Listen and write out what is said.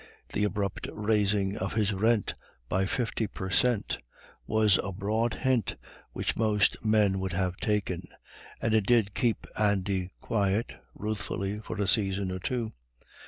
The abrupt raising of his rent by fifty per cent, was a broad hint which most men would have taken; and it did keep Andy quiet, ruefully, for a season or two.